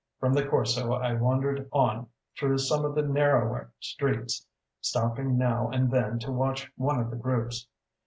From the Corso I wandered on through some of the narrower streets, stopping now and then to watch one of the groups.